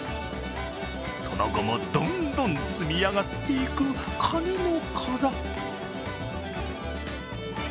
その後もどんどん積み上がっていく、かにの殻。